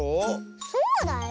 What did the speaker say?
そうだよ。